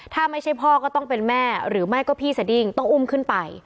ถ้าไม่ใช่พ่อก็ต้องเป็นแม่หรือไม่ก็พี่สดิ้งต้องอุ้มขึ้นไป